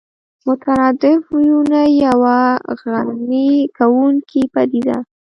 مترادف ويونه يوه غني کوونکې پدیده